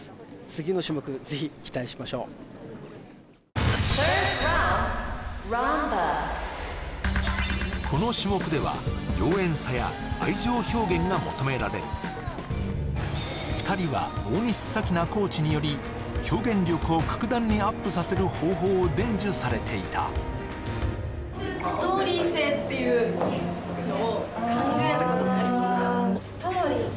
次の種目ぜひ期待しましょうこの種目では妖艶さや愛情表現が求められる２人は大西咲菜コーチにより表現力を格段にアップさせる方法を伝授されていたっていうのをストーリーか